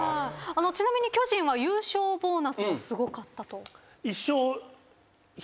ちなみに巨人は優勝ボーナスもすごかったと。